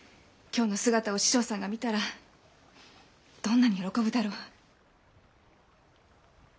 今日の姿をお師匠さんが見たらどんなに喜ぶだろう。